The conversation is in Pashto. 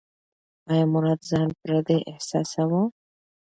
ایا مراد ځان پردی احساساوه؟